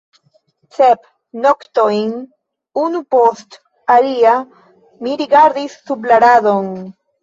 Sep noktojn unu post alia mi rigardis sub la radon.